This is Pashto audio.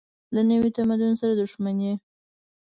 له نوي تمدن سره دښمني.